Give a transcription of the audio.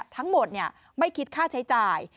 ทั้งหมดไม่คิดค่าใช้จ่าย